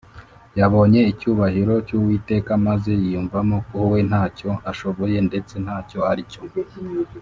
Yabonye icyubahiro cy’Uwiteka maze yiyumvamo ko we ntacyo ashoboye ndetse ntacyo aricyo.